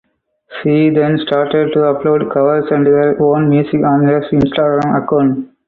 She then started to upload covers and her own music on her Instagram account.